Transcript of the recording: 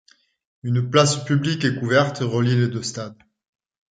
Une place publique et couverte relie les deux stades.